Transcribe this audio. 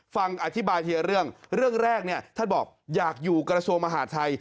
ฟังอธิบายทีละเรื่องเรื่องแรกเนี่ยท่านบอกอยากอยู่กระทรวงมหาดไทย